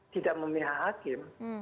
tidak memihak hakim